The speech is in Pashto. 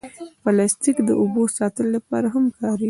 پلاستيک د اوبو ساتلو لپاره هم کارېږي.